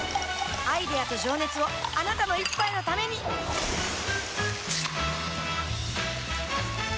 アイデアと情熱をあなたの一杯のためにプシュッ！